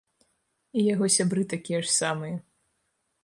І яго сябры такія ж самыя.